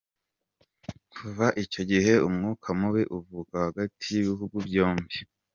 Kuva icyo gihe umwuka mubi uvuka hagati y’ibihugu byombi.